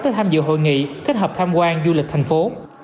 tới tham dự hội nghị kết hợp tham quan du lịch thành phố